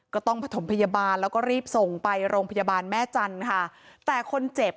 ก็ต้องผสมพยาบาลแล้วก็รีบส่งไปโรงพยาบาลแม่จันทร์ค่ะแต่คนเจ็บ